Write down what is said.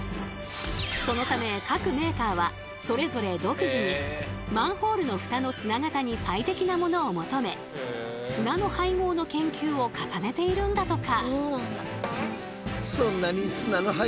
そのため各メーカーはそれぞれ独自にマンホールのフタの砂型に最適なものを求め砂の配合の研究を重ねているんだとか。